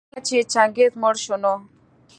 کله چي چنګېز مړ شو نو